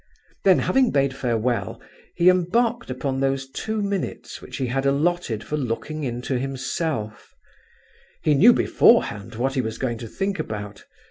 Then having bade farewell, he embarked upon those two minutes which he had allotted to looking into himself; he knew beforehand what he was going to think about.